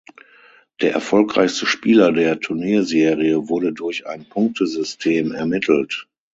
Der erfolgreichste Spieler der Turnierserie wurde durch ein Punktesystem ermittelt.